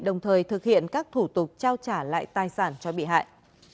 đồng thời thực hiện các thủ tục trao trả lại tài sản cho bị hại